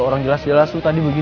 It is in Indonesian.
orang jelas jelas tuh tadi begini